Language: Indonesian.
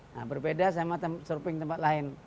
nah berbeda sama surfing tempat lain